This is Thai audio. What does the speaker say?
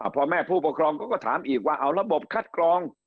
พ่อแม่ผู้ปกครองเขาก็ถามอีกว่าเอาระบบคัดกรอง